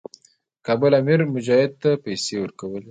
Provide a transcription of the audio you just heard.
د کابل امیر مجاهدینو ته پیسې ورکولې.